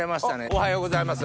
おはようございます。